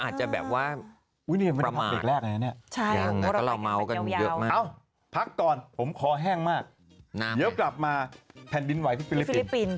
อาจจะแบบว่าประมาณยังไงก็เราเม้ากันเยอะมากพักก่อนผมคอแห้งมากเดี๋ยวกลับมาแผ่นดินไวท์ฟิลิปปินส์